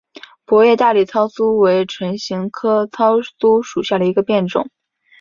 薄叶大理糙苏为唇形科糙苏属下的一个变种。